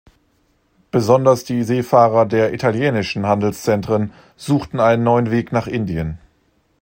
Besonders die Seefahrer der italienischen Handelszentren suchten einen neuen Weg nach Indien.